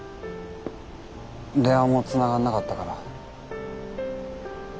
電話もつながんなかったから。